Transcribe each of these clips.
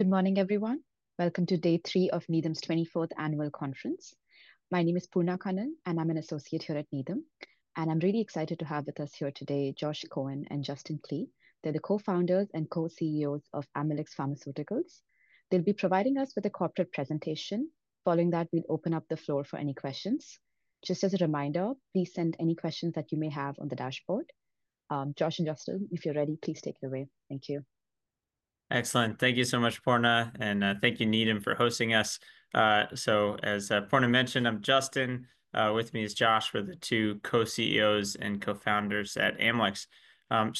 Good morning, everyone. Welcome to Day 3 of Needham's 24th Annual Conference. My name is Poorna Kannan, and I'm an associate here at Needham. I'm really excited to have with us here today Josh Cohen and Justin Klee. They're the co-founders and co-CEOs of Amylyx Pharmaceuticals. They'll be providing us with a corporate presentation. Following that, we'll open up the floor for any questions. Just as a reminder, please send any questions that you may have on the dashboard. Josh and Justin, if you're ready, please take it away. Thank you. Excellent. Thank you so much, Poorna. Thank you, Needham, for hosting us. As Poorna mentioned, I'm Justin. With me is Josh. We're the two co-CEOs and co-founders at Amylyx.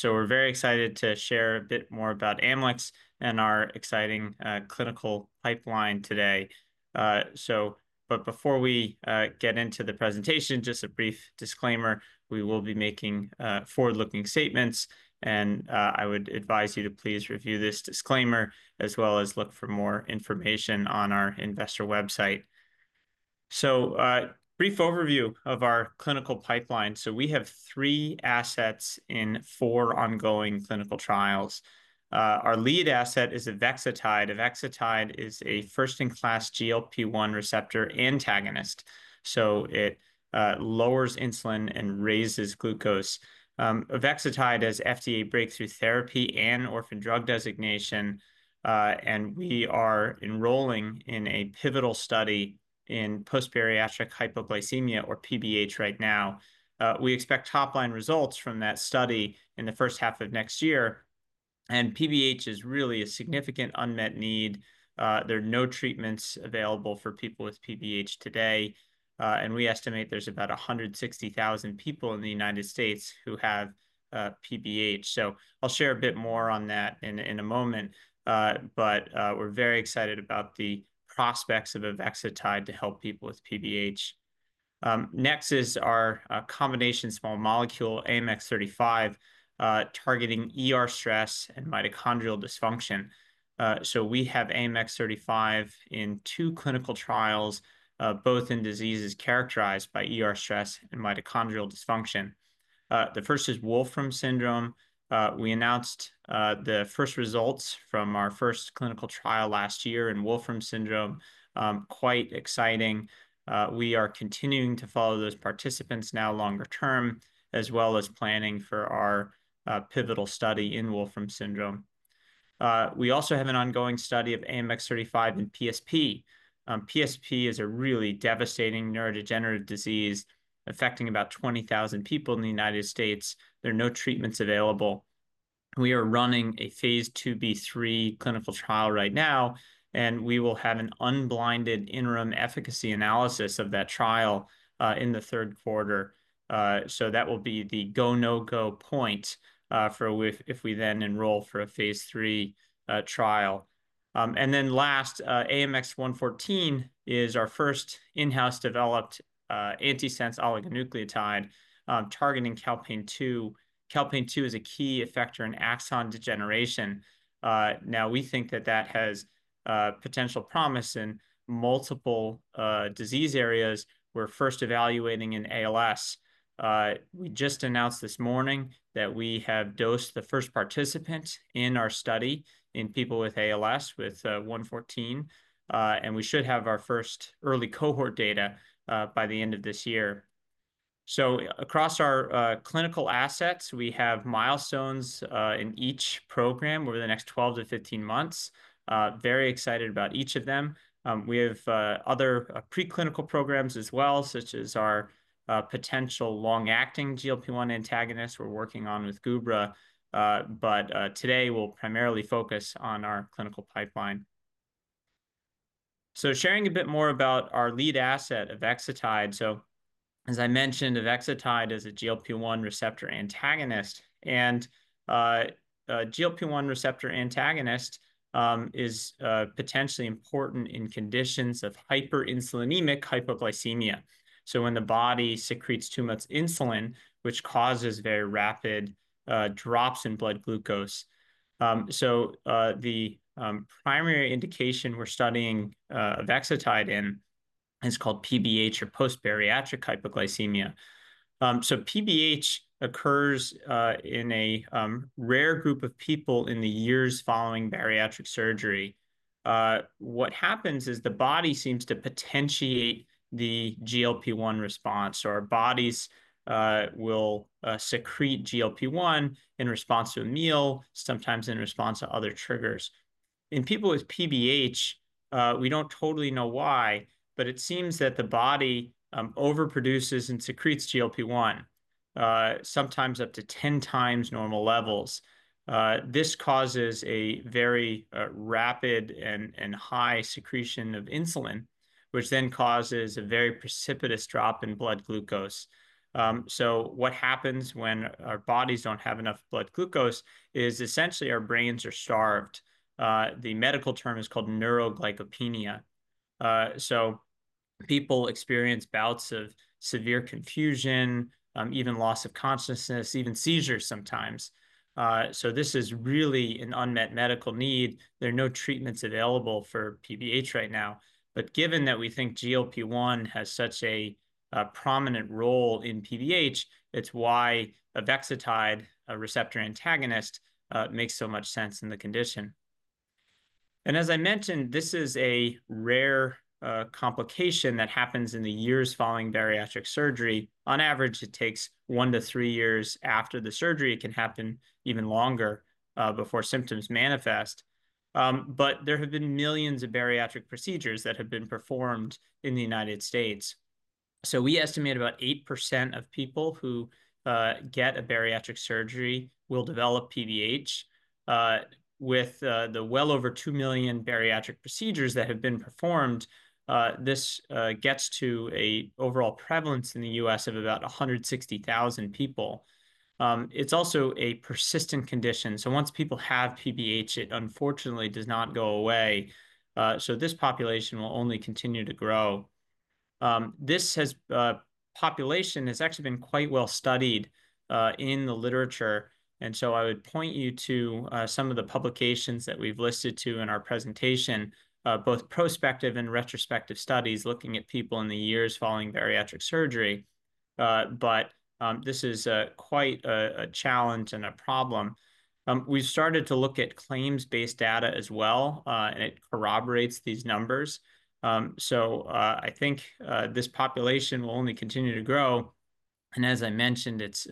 We're very excited to share a bit more about Amylyx and our exciting clinical pipeline today. Before we get into the presentation, just a brief disclaimer. We will be making forward-looking statements. I would advise you to please review this disclaimer, as well as look for more information on our investor website. Brief overview of our clinical pipeline. We have three assets in four ongoing clinical trials. Our lead asset is avexitide. Avexitide is a first-in-class GLP-1 receptor antagonist. It lowers insulin and raises glucose. Avexitide has FDA breakthrough therapy and orphan drug designation. We are enrolling in a pivotal study in post-bariatric hypoglycemia, or PBH, right now. We expect top-line results from that study in the first half of next year. PBH is really a significant unmet need. There are no treatments available for people with PBH today. We estimate there's about 160,000 people in the United States who have PBH. I'll share a bit more on that in a moment. We're very excited about the prospects of avexitide to help people with PBH. Next is our combination small molecule, AMX0035, targeting ER stress and mitochondrial dysfunction. We have AMX0035 in two clinical trials, both in diseases characterized by ER stress and mitochondrial dysfunction. The first is Wolfram syndrome. We announced the first results from our first clinical trial last year in Wolfram syndrome. Quite exciting. We are continuing to follow those participants now longer term, as well as planning for our pivotal study in Wolfram syndrome. We also have an ongoing study of AMX0035 in PSP. PSP is a really devastating neurodegenerative disease affecting about 20,000 people in the United States. There are no treatments available. We are running a phase IIb/III clinical trial right now. We will have an unblinded interim efficacy analysis of that trial in the Q3. That will be the go-no-go point for if we then enroll for a phase III trial. Last, AMX0114 is our first in-house developed antisense oligonucleotide targeting calpain-2. Calpain-2 is a key effector in axon degeneration. We think that that has potential promise in multiple disease areas. We're first evaluating in ALS. We just announced this morning that we have dosed the first participant in our study in people with ALS with 114. We should have our first early cohort data by the end of this year. Across our clinical assets, we have milestones in each program over the next 12 to 15 months. Very excited about each of them. We have other preclinical programs as well, such as our potential long-acting GLP-1 antagonist we're working on with Gubra. Today, we'll primarily focus on our clinical pipeline. Sharing a bit more about our lead asset, avexitide. As I mentioned, avexitide is a GLP-1 receptor antagonist. GLP-1 receptor antagonist is potentially important in conditions of hyperinsulinemic hypoglycemia, when the body secretes too much insulin, which causes very rapid drops in blood glucose. The primary indication we're studying avexitide in is called PBH, or post-bariatric hypoglycemia. PBH occurs in a rare group of people in the years following bariatric surgery. What happens is the body seems to potentiate the GLP-1 response. Our bodies will secrete GLP-1 in response to a meal, sometimes in response to other triggers. In people with PBH, we do not totally know why, but it seems that the body overproduces and secretes GLP-1, sometimes up to 10 times normal levels. This causes a very rapid and high secretion of insulin, which then causes a very precipitous drop in blood glucose. What happens when our bodies do not have enough blood glucose is essentially our brains are starved. The medical term is called neuroglycopenia. People experience bouts of severe confusion, even loss of consciousness, even seizures sometimes. This is really an unmet medical need. There are no treatments available for PBH right now. Given that we think GLP-1 has such a prominent role in PBH, it is why avexitide, a receptor antagonist, makes so much sense in the condition. As I mentioned, this is a rare complication that happens in the years following bariatric surgery. On average, it takes one to three years after the surgery. It can happen even longer before symptoms manifest. There have been millions of bariatric procedures that have been performed in the U.S. We estimate about 8% of people who get a bariatric surgery will develop PBH. With the well over 2 million bariatric procedures that have been performed, this gets to an overall prevalence in the U.S. of about 160,000 people. It is also a persistent condition. Once people have PBH, it unfortunately does not go away. This population will only continue to grow. This population has actually been quite well studied in the literature. I would point you to some of the publications that we've listed to in our presentation, both prospective and retrospective studies looking at people in the years following bariatric surgery. This is quite a challenge and a problem. We've started to look at claims-based data as well. It corroborates these numbers. I think this population will only continue to grow. As I mentioned, it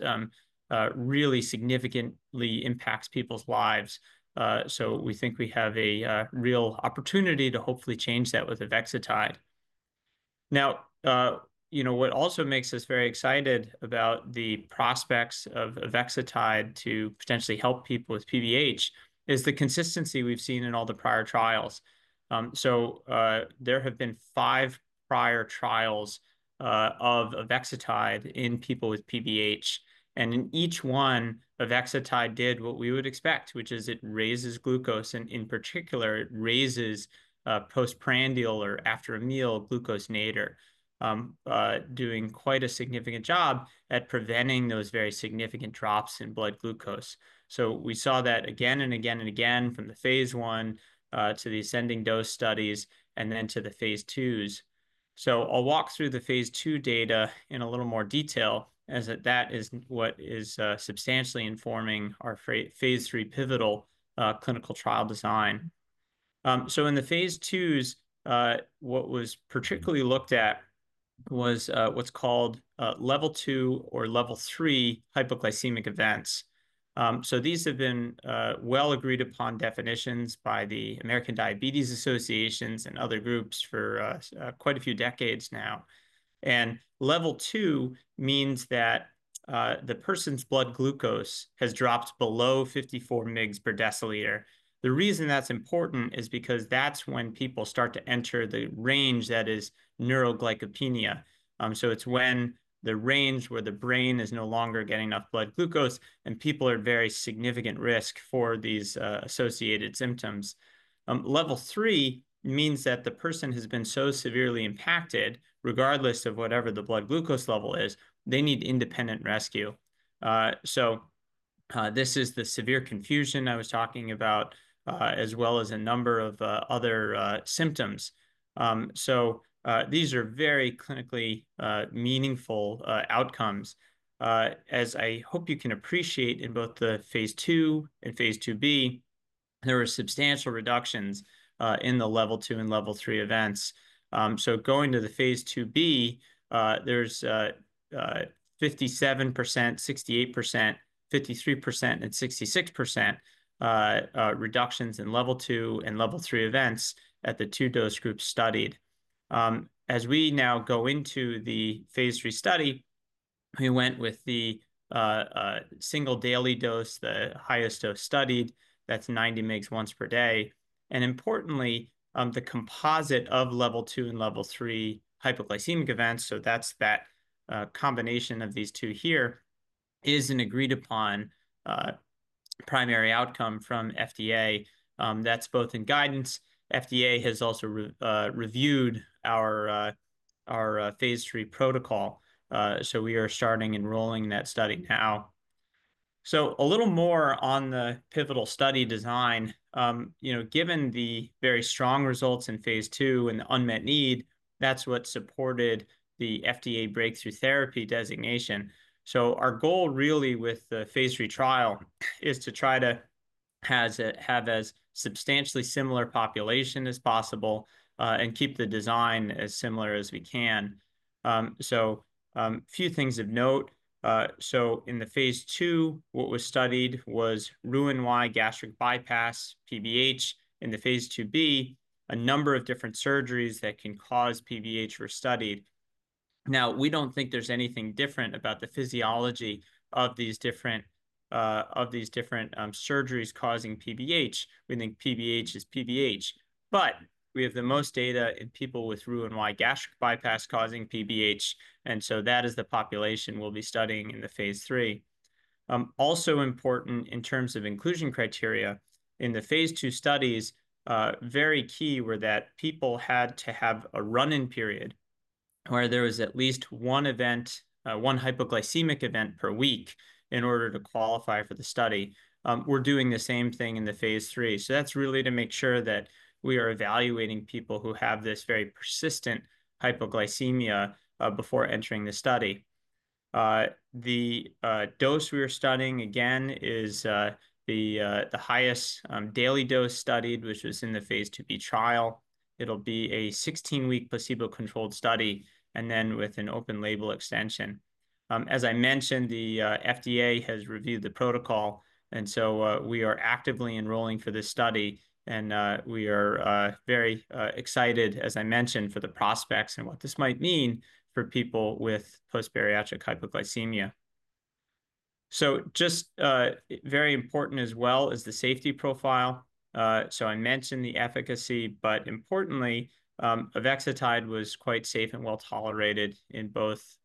really significantly impacts people's lives. We think we have a real opportunity to hopefully change that with avexitide. Now, you know what also makes us very excited about the prospects of avexitide to potentially help people with PBH is the consistency we've seen in all the prior trials. There have been five prior trials of avexitide in people with PBH. In each one, avexitide did what we would expect, which is it raises glucose. In particular, it raises post-prandial or after a meal glucose nadir, doing quite a significant job at preventing those very significant drops in blood glucose. We saw that again and again and again from the phase I to the ascending dose studies and then to the phase IIs. I'll walk through the phase II data in a little more detail as that is what is substantially informing our phase III pivotal clinical trial design. In the phase IIs, what was particularly looked at was what's called level 2 or level 3 hypoglycemic events. These have been well-agreed-upon definitions by the American Diabetes Association and other groups for quite a few decades now. Level 2 means that the person's blood glucose has dropped below 54mg/dL. The reason that's important is because that's when people start to enter the range that is neuroglycopenia. It's when the range where the brain is no longer getting enough blood glucose, and people are at very significant risk for these associated symptoms. Level 3 means that the person has been so severely impacted, regardless of whatever the blood glucose level is, they need independent rescue. This is the severe confusion I was talking about, as well as a number of other symptoms. These are very clinically meaningful outcomes. As I hope you can appreciate, in both the phase II and phase IIb, there were substantial reductions in the level 2 and level 3 events. Going to the phase IIb, there's 57%, 68%, 53%, and 66% reductions in level 2 and level 3 events at the two-dose group studied. As we now go into the phase III study, we went with the single daily dose, the highest dose studied. That's 90mg once per day. Importantly, the composite of level 2 and level 3 hypoglycemic events, so that's that combination of these two here, is an agreed-upon primary outcome from FDA. That's both in guidance. FDA has also reviewed our phase III protocol. We are starting enrolling in that study now. A little more on the pivotal study design. Given the very strong results in phase II and the unmet need, that's what supported the FDA breakthrough therapy designation. Our goal really with the phase III trial is to try to have as substantially similar population as possible and keep the design as similar as we can. A few things of note. In the phase II, what was studied was Roux-en-Y gastric bypass, PBH. In the phase IIb, a number of different surgeries that can cause PBH were studied. Now, we do not think there is anything different about the physiology of these different surgeries causing PBH. We think PBH is PBH. We have the most data in people with Roux-en-Y gastric bypass causing PBH. That is the population we will be studying in the phase III. Also important in terms of inclusion criteria in the phase II studies, very key were that people had to have a run-in period where there was at least one event, one hypoglycemic event per week in order to qualify for the study. We are doing the same thing in the phase III. That is really to make sure that we are evaluating people who have this very persistent hypoglycemia before entering the study. The dose we are studying, again, is the highest daily dose studied, which was in the phase IIb trial. It'll be a 16-week placebo-controlled study, with an open label extension. As I mentioned, the FDA has reviewed the protocol. We are actively enrolling for this study. We are very excited, as I mentioned, for the prospects and what this might mean for people with post-bariatric hypoglycemia. Just very important as well is the safety profile. I mentioned the efficacy. Importantly, avexitide was quite safe and well tolerated in both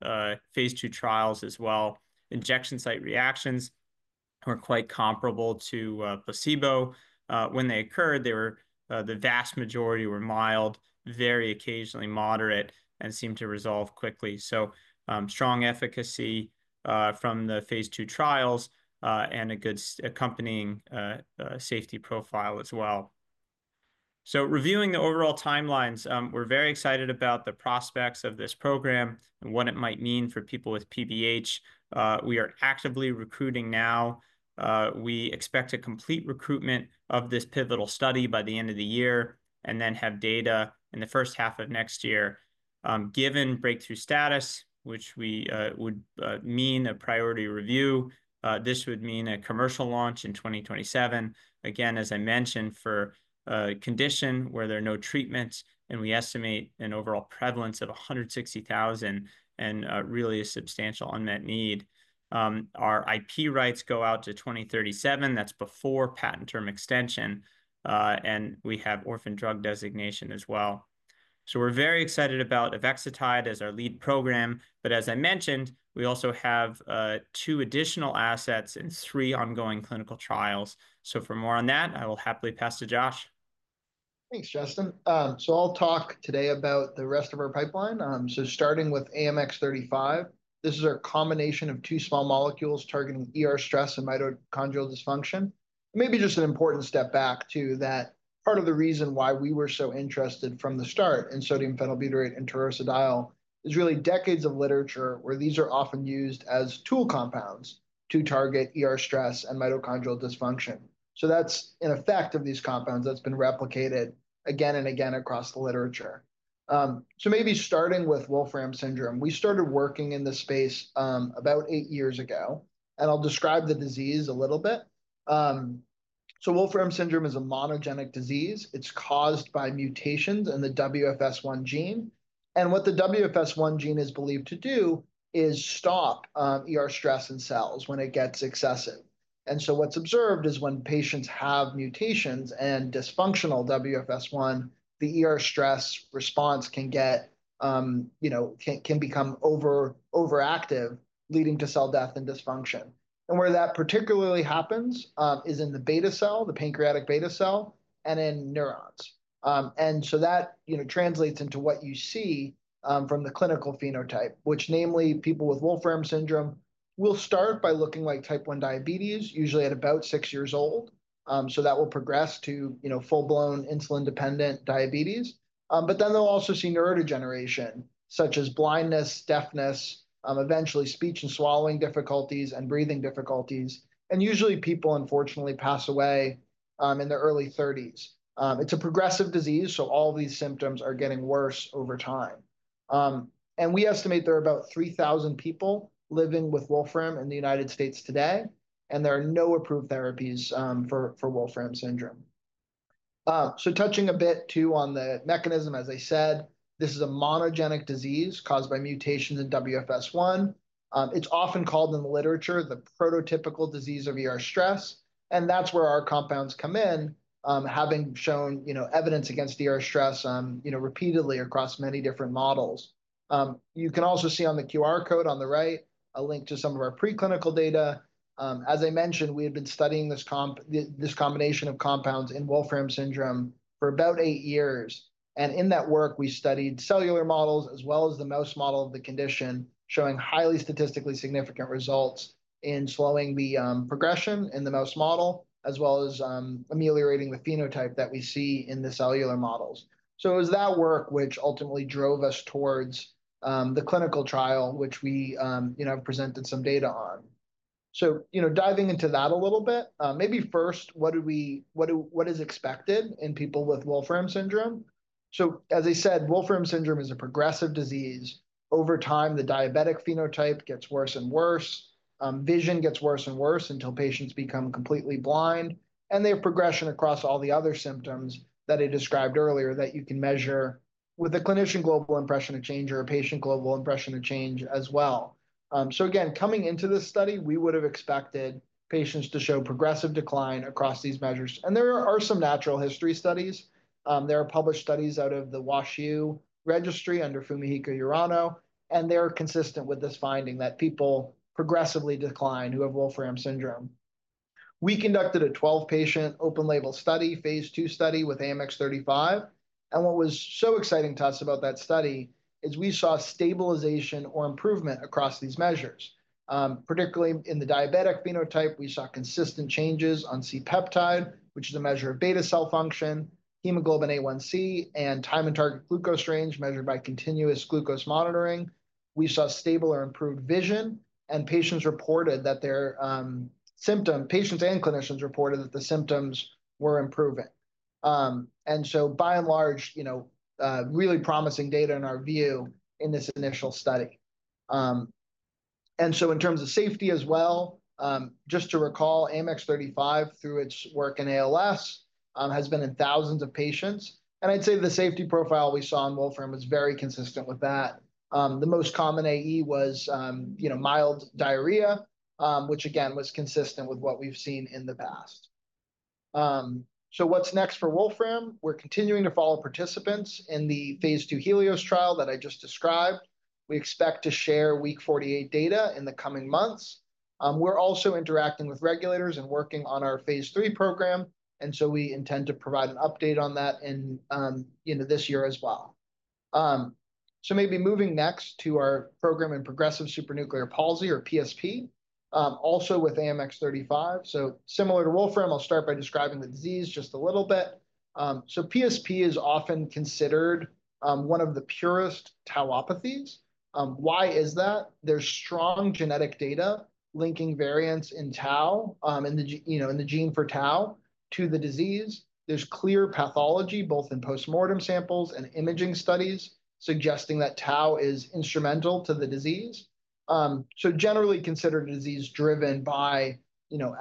phase II trials as well. Injection site reactions were quite comparable to placebo. When they occurred, the vast majority were mild, very occasionally moderate, and seemed to resolve quickly. Strong efficacy from the phase II trials and a good accompanying safety profile as well. Reviewing the overall timelines, we're very excited about the prospects of this program and what it might mean for people with PBH. We are actively recruiting now. We expect a complete recruitment of this pivotal study by the end of the year and then have data in the first half of next year. Given breakthrough status, which would mean a priority review, this would mean a commercial launch in 2027. Again, as I mentioned, for a condition where there are no treatments, and we estimate an overall prevalence of 160,000 and really a substantial unmet need. Our IP rights go out to 2037. That is before patent term extension. We have orphan drug designation as well. We are very excited about avexitide as our lead program. As I mentioned, we also have two additional assets and three ongoing clinical trials. For more on that, I will happily pass to Josh. Thanks, Justin. I will talk today about the rest of our pipeline. Starting with AMX0035, this is our combination of two small molecules targeting ER stress and mitochondrial dysfunction. Maybe just an important step back to that part of the reason why we were so interested from the start in sodium phenylbutyrate and taurursodiol is really decades of literature where these are often used as tool compounds to target stress and mitochondrial dysfunction. That is an effect of these compounds that has been replicated again and again across the literature. Maybe starting with Wolfram syndrome, we started working in this space about eight years ago. I'll describe the disease a little bit. Wolfram syndrome is a monogenic disease. It is caused by mutations in the WFS1 gene. What the WFS1 gene is believed to do is stop ER stress in cells when it gets excessive. What's observed is when patients have mutations and dysfunctional WFS1, the ER stress response can become overactive, leading to cell death and dysfunction. Where that particularly happens is in the beta cell, the pancreatic beta cell, and in neurons. That translates into what you see from the clinical phenotype, which namely people with Wolfram syndrome will start by looking like type 1 diabetes, usually at about six years old. That will progress to full-blown insulin-dependent diabetes. They will also see neurodegeneration, such as blindness, deafness, eventually speech and swallowing difficulties, and breathing difficulties. Usually, people unfortunately pass away in their early 30s. It's a progressive disease. All these symptoms are getting worse over time. We estimate there are about 3,000 people living with Wolfram in the United States today. There are no approved therapies for Wolfram syndrome. Touching a bit too on the mechanism, as I said, this is a monogenic disease caused by mutations in WFS1. It's often called in the literature the prototypical disease of ER stress. That's where our compounds come in, having shown evidence against ER stress repeatedly across many different models. You can also see on the QR code on the right a link to some of our preclinical data. As I mentioned, we had been studying this combination of compounds in Wolfram syndrome for about eight years. In that work, we studied cellular models as well as the mouse model of the condition, showing highly statistically significant results in slowing the progression in the mouse model, as well as ameliorating the phenotype that we see in the cellular models. It was that work which ultimately drove us towards the clinical trial, which we have presented some data on. Diving into that a little bit, maybe first, what is expected in people with Wolfram syndrome? As I said, Wolfram syndrome is a progressive disease. Over time, the diabetic phenotype gets worse and worse. Vision gets worse and worse until patients become completely blind. They have progression across all the other symptoms that I described earlier that you can measure with a clinician global impression of change or a patient global impression of change as well. Again, coming into this study, we would have expected patients to show progressive decline across these measures. There are some natural history studies. There are published studies out of the WashU registry under Fumihiko Urano. They are consistent with this finding that people progressively decline who have Wolfram syndrome. We conducted a 12-patient open label study, phase II study with AMX0035. What was so exciting to us about that study is we saw stabilization or improvement across these measures. Particularly in the diabetic phenotype, we saw consistent changes on C-peptide, which is a measure of beta cell function, hemoglobin A1c, and time in target glucose range measured by continuous glucose monitoring. We saw stable or improved vision. Patients reported that their symptoms, patients and clinicians reported that the symptoms were improving. By and large, really promising data in our view in this initial study. In terms of safety as well, just to recall, AMX0035 through its work in ALS has been in thousands of patients. I'd say the safety profile we saw in Wolfram was very consistent with that. The most common AE was mild diarrhea, which again was consistent with what we've seen in the past. What's next for Wolfram? We're continuing to follow participants in the phase II HELIOS trial that I just described. We expect to share week 48 data in the coming months. We're also interacting with regulators and working on our phase III program. We intend to provide an update on that in this year as well. Maybe moving next to our program in progressive supranuclear palsy or PSP, also with AMX0035. Similar to Wolfram, I'll start by describing the disease just a little bit. PSP is often considered one of the purest tauopathies. Why is that? There's strong genetic data linking variants in tau, in the gene for tau, to the disease. There's clear pathology both in postmortem samples and imaging studies suggesting that tau is instrumental to the disease. Generally considered a disease driven by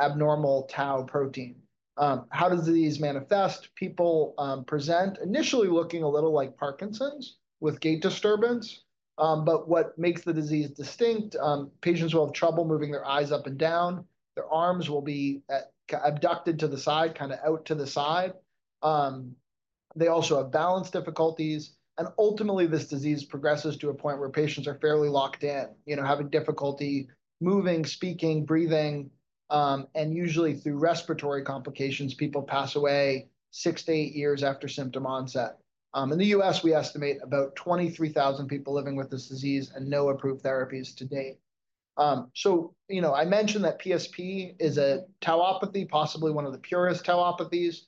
abnormal tau protein. How does the disease manifest? People present initially looking a little like Parkinson's with gait disturbance. What makes the disease distinct? Patients will have trouble moving their eyes up and down. Their arms will be abducted to the side, kind of out to the side. They also have balance difficulties. Ultimately, this disease progresses to a point where patients are fairly locked in, having difficulty moving, speaking, breathing. Usually through respiratory complications, people pass away six to eight years after symptom onset. In the US, we estimate about 23,000 people living with this disease and no approved therapies to date. I mentioned that PSP is a tauopathy, possibly one of the purest tauopathies.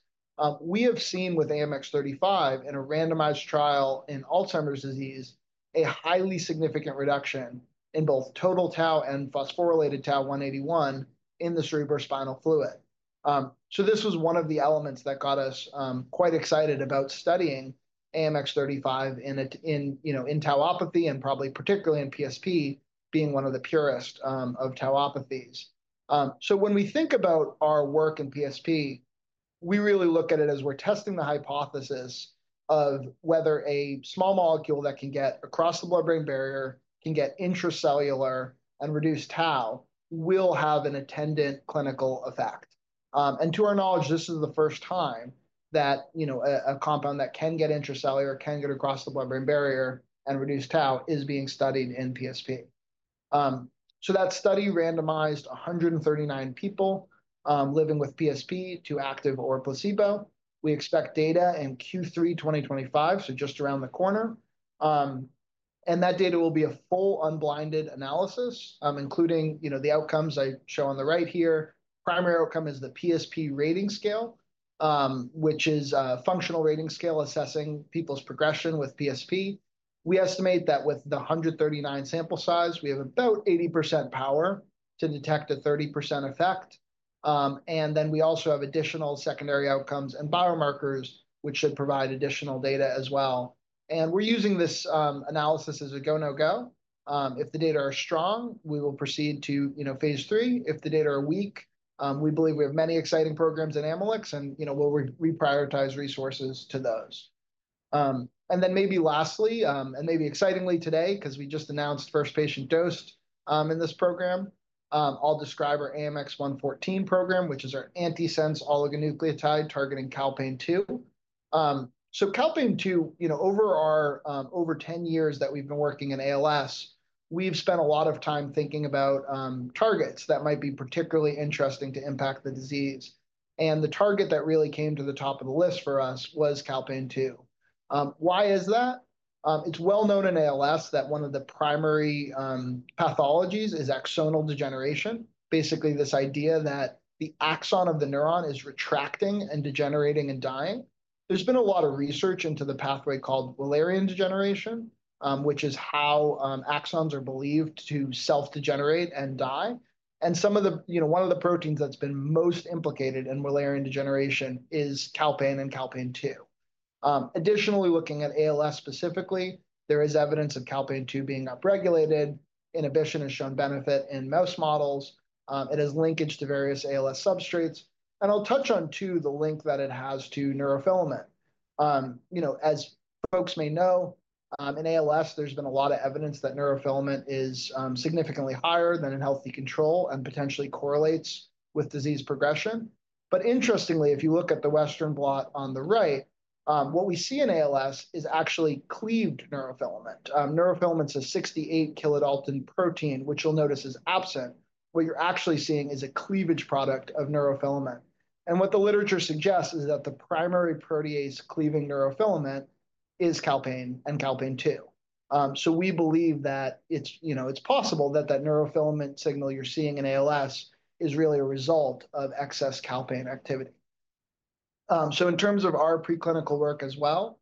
We have seen with AMX0035 in a randomized trial in Alzheimer's disease a highly significant reduction in both total tau and phosphorylated tau-181 in the cerebrospinal fluid. This was one of the elements that got us quite excited about studying AMX0035 in tauopathy and probably particularly in PSP being one of the purest of tauopathies. When we think about our work in PSP, we really look at it as we're testing the hypothesis of whether a small molecule that can get across the blood-brain barrier, can get intracellular and reduce tau, will have an attendant clinical effect. To our knowledge, this is the first time that a compound that can get intracellular, can get across the blood-brain barrier and reduce tau is being studied in PSP. That study randomized 139 people living with PSP to active or placebo. We expect data in Q3 2025, just around the corner. That data will be a full unblinded analysis, including the outcomes I show on the right here. Primary outcome is the PSP rating scale, which is a functional rating scale assessing people's progression with PSP. We estimate that with the 139 sample size, we have about 80% power to detect a 30% effect. We also have additional secondary outcomes and biomarkers, which should provide additional data as well. We are using this analysis as a go, no go. If the data are strong, we will proceed to phase 3. If the data are weak, we believe we have many exciting programs in Amylyx, and we'll reprioritize resources to those. Maybe lastly, and maybe excitingly today, because we just announced first patient dosed in this program, I'll describe our AMX0114 program, which is our antisense oligonucleotide targeting calpain-2. Calpain-2, over 10 years that we've been working in ALS, we've spent a lot of time thinking about targets that might be particularly interesting to impact the disease. The target that really came to the top of the list for us was calpain-2. Why is that? It's well known in ALS that one of the primary pathologies is axonal degeneration, basically this idea that the axon of the neuron is retracting and degenerating and dying. There's been a lot of research into the pathway called Wallerian degeneration, which is how axons are believed to self-degenerate and die. One of the proteins that's been most implicated in Wallerian degeneration is calpain and calpain-2. Additionally, looking at ALS specifically, there is evidence of calpain-2 being upregulated. Inhibition has shown benefit in mouse models. It has linkage to various ALS substrates. I'll touch on too the link that it has to neurofilament. As folks may know, in ALS, there's been a lot of evidence that neurofilament is significantly higher than in healthy control and potentially correlates with disease progression. Interestingly, if you look at the Western blot on the right, what we see in ALS is actually cleaved neurofilament. Neurofilament is a 68kDa protein, which you'll notice is absent. What you're actually seeing is a cleavage product of neurofilament. What the literature suggests is that the primary protease cleaving neurofilament is calpain and calpain-2. We believe that it's possible that that neurofilament signal you're seeing in ALS is really a result of excess calpain activity. In terms of our preclinical work as well,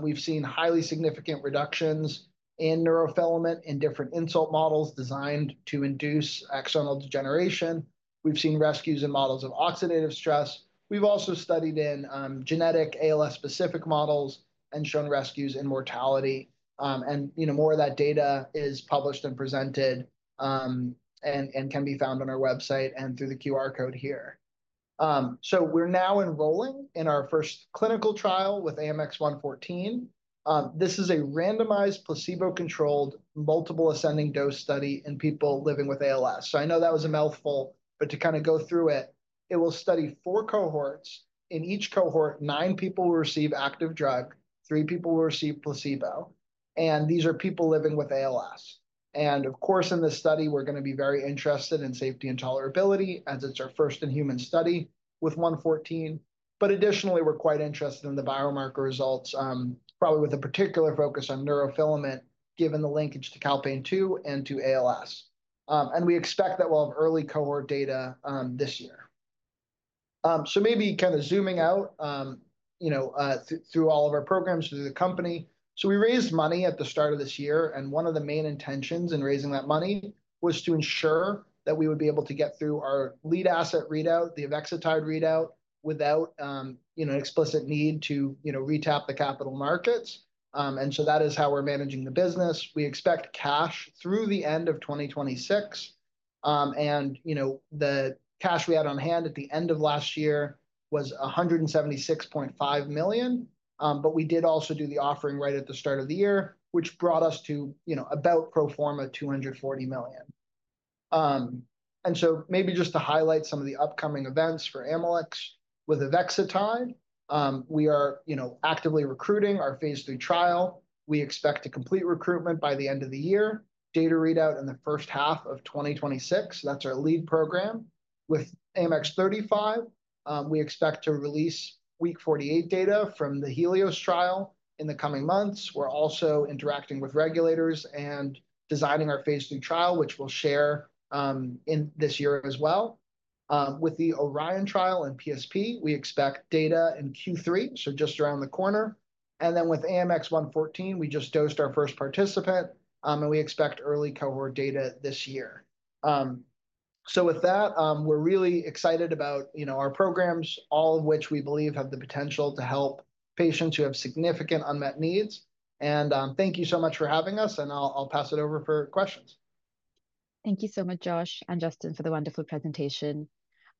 we've seen highly significant reductions in neurofilament in different insult models designed to induce axonal degeneration. We've seen rescues in models of oxidative stress. We've also studied in genetic ALS-specific models and shown rescues in mortality. More of that data is published and presented and can be found on our website and through the QR code here. We are now enrolling in our first clinical trial with AMX0114. This is a randomized placebo-controlled multiple ascending dose study in people living with ALS. I know that was a mouthful, but to kind of go through it, it will study four cohorts. In each cohort, nine people will receive active drug, three people will receive placebo. These are people living with ALS. In this study, we are going to be very interested in safety and tolerability as it is our first in-human study with 114. Additionally, we're quite interested in the biomarker results, probably with a particular focus on neurofilament given the linkage to calpain-2 and to ALS. We expect that we'll have early cohort data this year. Maybe kind of zooming out through all of our programs through the company. We raised money at the start of this year. One of the main intentions in raising that money was to ensure that we would be able to get through our lead asset readout, the avexitide readout, without an explicit need to re-tap the capital markets. That is how we're managing the business. We expect cash through the end of 2026. The cash we had on hand at the end of last year was $176.5 million. We did also do the offering right at the start of the year, which brought us to about pro forma $240 million. Maybe just to highlight some of the upcoming events for Amylyx with avexitide, we are actively recruiting our phase III trial. We expect to complete recruitment by the end of the year, data readout in the first half of 2026. That's our lead program. With AMX0035, we expect to release week 48 data from the HELIOS trial in the coming months. We're also interacting with regulators and designing our phase III trial, which we'll share this year as well. With the ORION trial and PSP, we expect data in Q3, just around the corner. With AMX0114, we just dosed our first participant. We expect early cohort data this year. With that, we're really excited about our programs, all of which we believe have the potential to help patients who have significant unmet needs. Thank you so much for having us. I'll pass it over for questions. Thank you so much, Josh and Justin, for the wonderful presentation.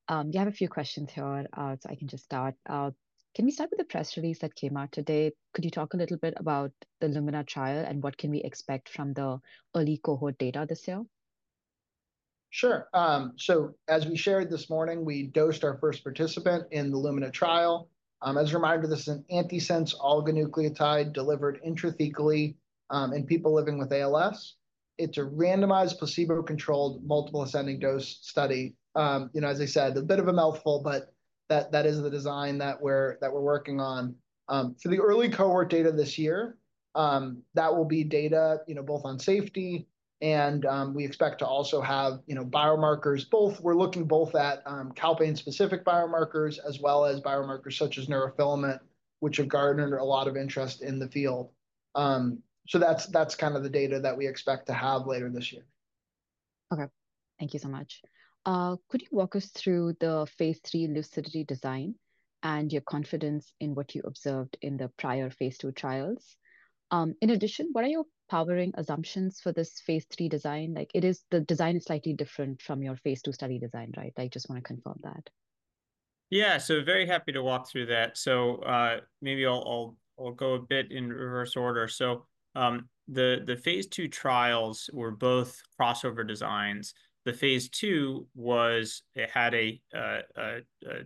We have a few questions here, so I can just start. Can we start with the press release that came out today? Could you talk a little bit about the LUMINA trial and what can we expect from the early cohort data this year? Sure. As we shared this morning, we dosed our first participant in the LUMINA trial. As a reminder, this is an antisense oligonucleotide delivered intrathecally in people living with ALS. It's a randomized placebo-controlled multiple ascending dose study. As I said, a bit of a mouthful, but that is the design that we're working on. For the early cohort data this year, that will be data both on safety, and we expect to also have biomarkers. We're looking both at calpain-specific biomarkers as well as biomarkers such as neurofilament, which have garnered a lot of interest in the field. That is kind of the data that we expect to have later this year. Okay. Thank you so much. Could you walk us through the phase III LUCIDITY design and your confidence in what you observed in the prior phase II trials? In addition, what are your powering assumptions for this phase III design? The design is slightly different from your phase II study design, right? I just want to confirm that. Yeah, very happy to walk through that. Maybe I'll go a bit in reverse order. The phase II trials were both crossover designs. The phase II had a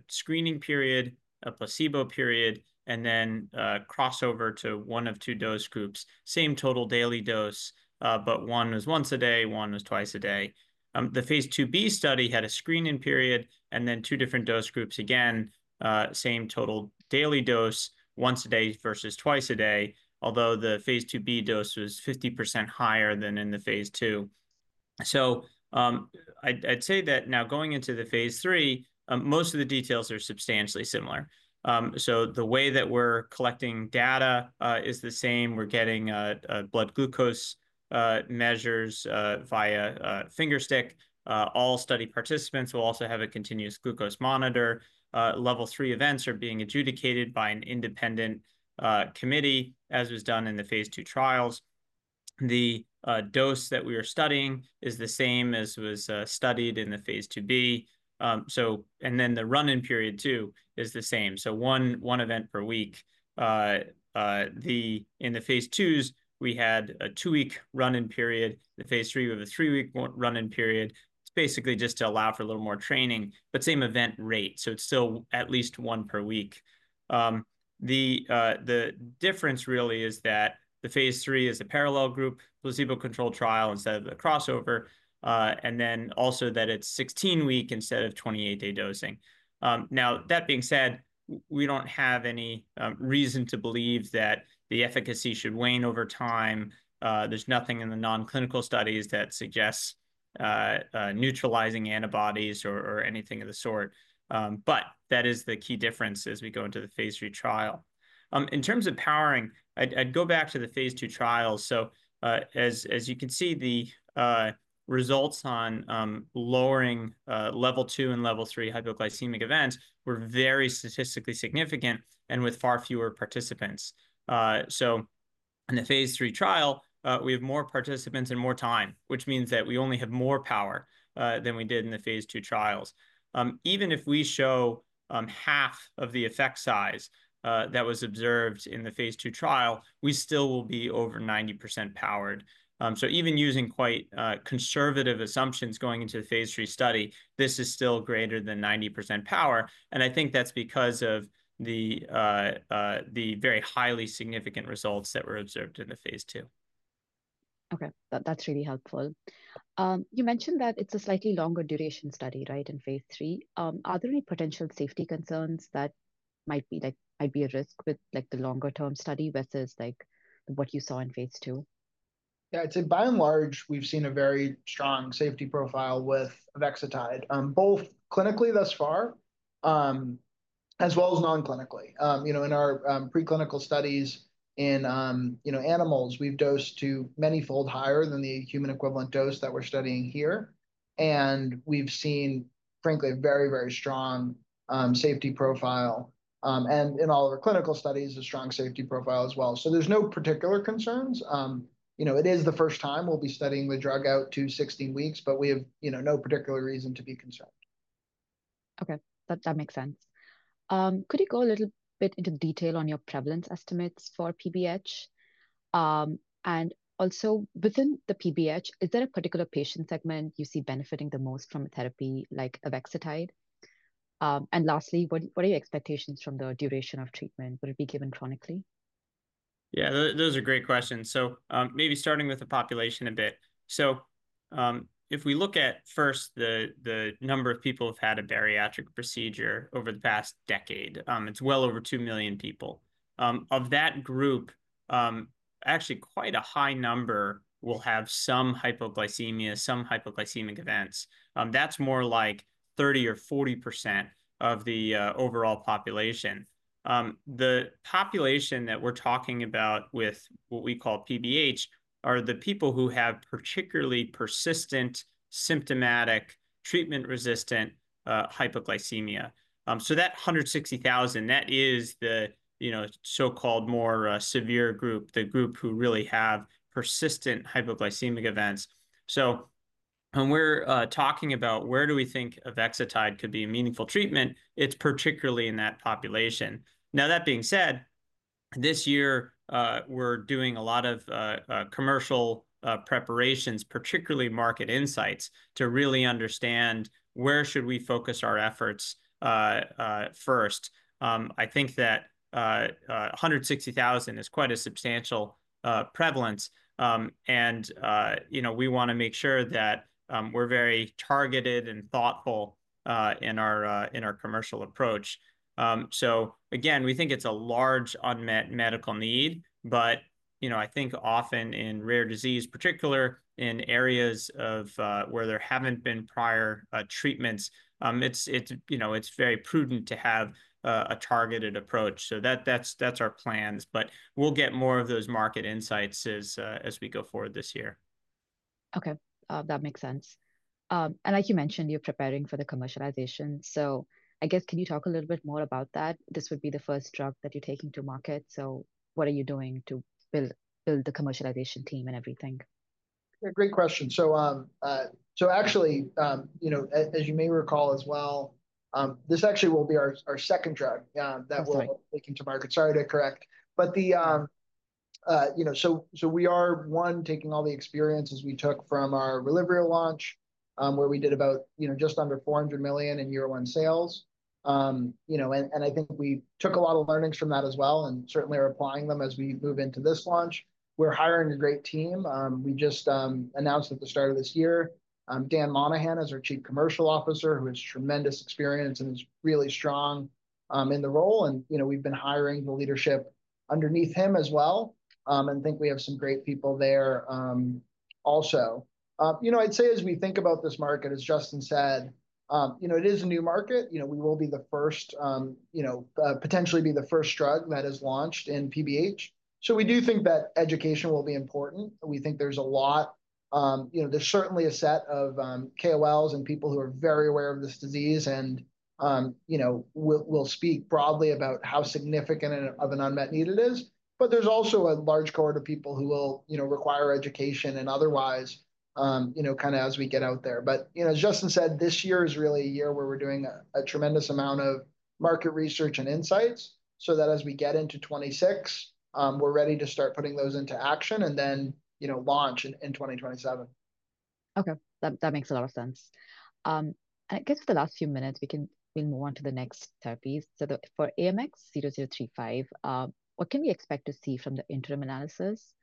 screening period, a placebo period, and then crossover to one of two dose groups, same total daily dose, but one was once a day, one was twice a day. The phase IIb study had a screening period and then two different dose groups, again, same total daily dose, once a day versus twice a day, although the phase IIb dose was 50% higher than in the phase II. I'd say that now going into the phase III, most of the details are substantially similar. The way that we're collecting data is the same. We're getting blood glucose measures via fingerstick. All study participants will also have a continuous glucose monitor. Level 3 events are being adjudicated by an independent committee, as was done in the phase II trials. The dose that we are studying is the same as was studied in the phase IIb. The run-in period too is the same. One event per week. In the phase IIs, we had a two-week run-in period. In the phase III, we have a three-week run-in period. It is basically just to allow for a little more training, but same event rate. It is still at least one per week. The difference really is that the phase III is a parallel group, placebo-controlled trial instead of a crossover, and also that it is 16-week instead of 28-day dosing. That being said, we do not have any reason to believe that the efficacy should wane over time. There is nothing in the non-clinical studies that suggests neutralizing antibodies or anything of the sort. That is the key difference as we go into the phase III trial. In terms of powering, I'd go back to the phase II trials. As you can see, the results on lowering level 2 and level 3 hypoglycemic events were very statistically significant and with far fewer participants. In the phase III trial, we have more participants and more time, which means that we only have more power than we did in the phase II trials. Even if we show half of the effect size that was observed in the phase II trial, we still will be over 90% powered. Even using quite conservative assumptions going into the phase III study, this is still greater than 90% power. I think that's because of the very highly significant results that were observed in the phase II. Okay. That's really helpful. You mentioned that it's a slightly longer duration study, right, in phase III. Are there any potential safety concerns that might be a risk with the longer-term study versus what you saw in phase II? Yeah, I'd say by and large, we've seen a very strong safety profile with avexitide, both clinically thus far as well as non-clinically. In our preclinical studies in animals, we've dosed to many-fold higher than the human equivalent dose that we're studying here. We've seen, frankly, a very, very strong safety profile. In all of our clinical studies, a strong safety profile as well. There are no particular concerns. It is the first time we'll be studying the drug out to 16 weeks, but we have no particular reason to be concerned. Okay. That makes sense. Could you go a little bit into detail on your prevalence estimates for PBH? Also, within the PBH, is there a particular patient segment you see benefiting the most from a therapy like avexitide? Lastly, what are your expectations from the duration of treatment? Would it be given chronically? Yeah, those are great questions. Maybe starting with the population a bit. If we look at first the number of people who've had a bariatric procedure over the past decade, it's well over 2 million people. Of that group, actually quite a high number will have some hypoglycemia, some hypoglycemic events. That's more like 30% or 40% of the overall population. The population that we're talking about with what we call PBH are the people who have particularly persistent symptomatic treatment-resistant hypoglycemia. So that 160,000, that is the so-called more severe group, the group who really have persistent hypoglycemic events. When we're talking about where do we think avexitide could be a meaningful treatment, it's particularly in that population. That being said, this year, we're doing a lot of commercial preparations, particularly market insights, to really understand where should we focus our efforts first. I think that 160,000 is quite a substantial prevalence. We want to make sure that we're very targeted and thoughtful in our commercial approach. Again, we think it's a large unmet medical need, but I think often in rare disease, particularly in areas where there haven't been prior treatments, it's very prudent to have a targeted approach. That's our plans. We'll get more of those market insights as we go forward this year. Okay. That makes sense. Like you mentioned, you're preparing for the commercialization. I guess, can you talk a little bit more about that? This would be the first drug that you're taking to market. What are you doing to build the commercialization team and everything? Yeah, great question. Actually, as you may recall as well, this actually will be our second drug that we're taking to market. I'm sorry. Sorry to correct. We are, one, taking all the experiences we took from our Relyvrio launch, where we did about just under $400 million in year one sales. I think we took a lot of learnings from that as well and certainly are applying them as we move into this launch. We're hiring a great team. We just announced at the start of this year, Dan Monahan as our Chief Commercial Officer, who has tremendous experience and is really strong in the role. We've been hiring the leadership underneath him as well. I think we have some great people there also. I'd say as we think about this market, as Justin said, it is a new market. We will be the first, potentially be the first drug that is launched in PBH. We do think that education will be important. We think there's a lot. There's certainly a set of KOLs and people who are very aware of this disease and will speak broadly about how significant of an unmet need it is. There's also a large cohort of people who will require education and otherwise kind of as we get out there. As Justin said, this year is really a year where we're doing a tremendous amount of market research and insights so that as we get into 2026, we're ready to start putting those into action and then launch in 2027. Okay. That makes a lot of sense. I guess for the last few minutes, we can move on to the next therapies. For AMX0035, what can we expect to see from the interim analysis?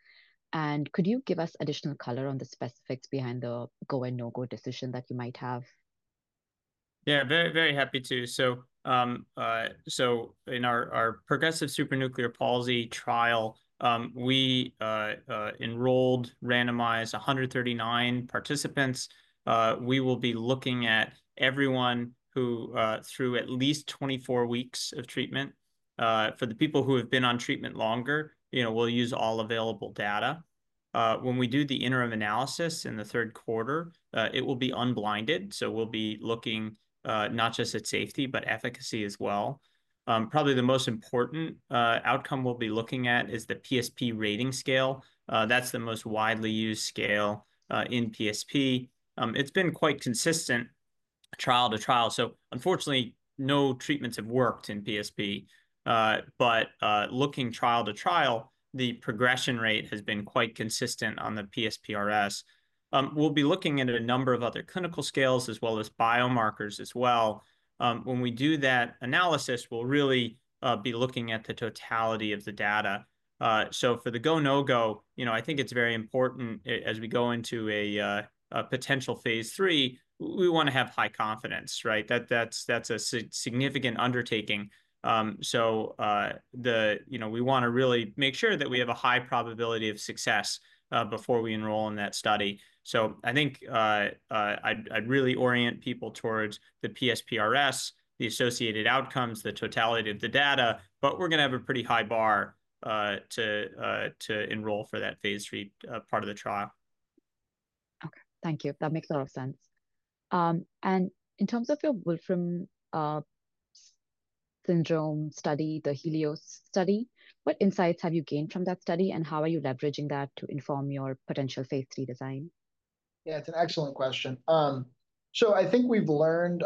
Could you give us additional color on the specifics behind the go and no-go decision that you might have? Yeah, very, very happy to. In our progressive supranuclear palsy trial, we enrolled, randomized 139 participants. We will be looking at everyone who through at least 24 weeks of treatment. For the people who have been on treatment longer, we'll use all available data. When we do the interim analysis in the Q3, it will be unblinded. We'll be looking not just at safety, but efficacy as well. Probably the most important outcome we'll be looking at is the PSP rating scale. That's the most widely used scale in PSP. It's been quite consistent trial-to-trial. Unfortunately, no treatments have worked in PSP. Looking trial-to-trial, the progression rate has been quite consistent on the PSPRS. We'll be looking at a number of other clinical scales as well as biomarkers as well. When we do that analysis, we'll really be looking at the totality of the data. For the go/no-go, I think it's very important as we go into a potential phase III, we want to have high confidence, right? That's a significant undertaking. We want to really make sure that we have a high probability of success before we enroll in that study. I think I'd really orient people towards the PSPRS, the associated outcomes, the totality of the data, but we're going to have a pretty high bar to enroll for that phase III part of the trial. Okay. Thank you. That makes a lot of sense. In terms of your Wolfram syndrome study, the Helios study, what insights have you gained from that study and how are you leveraging that to inform your potential phase III design? Yeah, it's an excellent question. I think we've learned,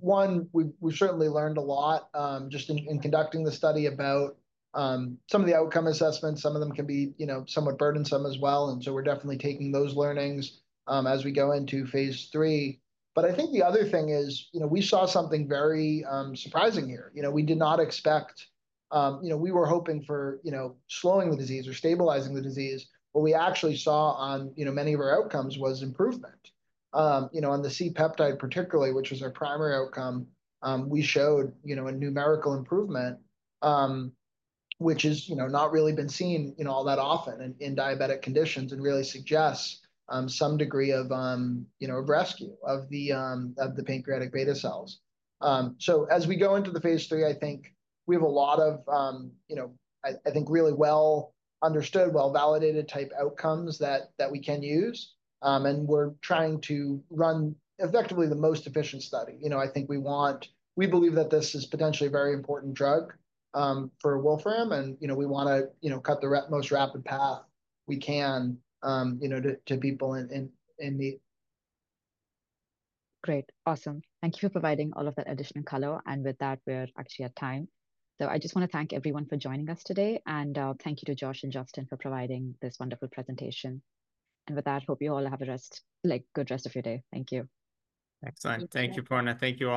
one, we've certainly learned a lot just in conducting the study about some of the outcome assessments. Some of them can be somewhat burdensome as well. We're definitely taking those learnings as we go into phase III. I think the other thing is we saw something very surprising here. We did not expect, we were hoping for slowing the disease or stabilizing the disease. What we actually saw on many of our outcomes was improvement. On the C-peptide particularly, which was our primary outcome, we showed a numerical improvement, which has not really been seen all that often in diabetic conditions and really suggests some degree of rescue of the pancreatic beta cells. As we go into the phase III, I think we have a lot of, I think, really well-understood, well-validated type outcomes that we can use. We are trying to run effectively the most efficient study. I think we believe that this is potentially a very important drug for Wolfram. We want to cut the most rapid path we can to people in need. Great. Awesome. Thank you for providing all of that additional color. With that, we are actually at time. I just want to thank everyone for joining us today. Thank you to Josh and Justin for providing this wonderful presentation. With that, hope you all have a good rest of your day. Thank you. Excellent. Thank you, Poorna. Thank you all. Thank you.